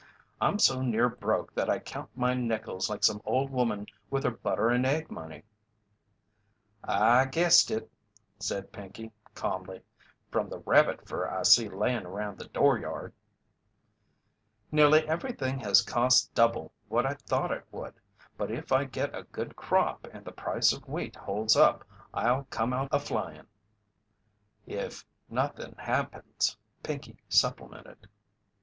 I'm so near broke that I count my nickels like some old woman with her butter and egg money." "I guessed it," said Pinkey, calmly, "from the rabbit fur I see layin' around the dooryard." "Nearly everything has cost double what I thought it would, but if I get a good crop and the price of wheat holds up I'll come out a flying." "If nothin' happens," Pinkey supplemented.